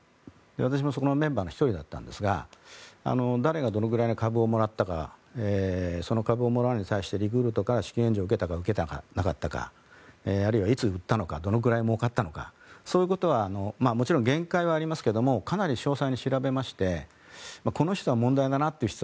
私もそこのメンバーの１人だったんですが誰がどのくらいの株をもらったかその株をもらうに際してリクルートから資金援助を受けたか、受けなかったかあるいは、いつ売ったのかどれくらいもうかったのかそういうことはもちろん限界はありますがかなり詳細に調べましてこの人は問題だなという人